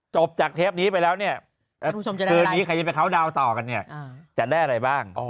จบจากเทปนี้ไปแล้วเนี่ยคืนนี้ใครจะไปเข้าดาวนต่อกันเนี่ยจะได้อะไรบ้าง